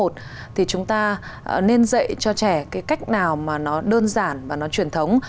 thì chúng ta nên dạy cho trẻ cái cách nào mà nó đơn giản và nó truyền thống